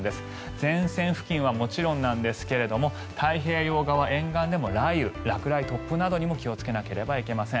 前線付近はもちろんですが太平洋側沿岸でも雷雨、落雷、突風などにも気をつけなくてはなりません。